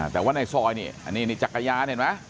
แต่ว่าในซอยนี่อันนี้จักรยานเห็นไหม